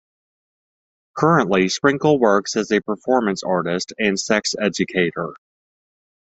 Currently, Sprinkle works as a performance artist and sex educator.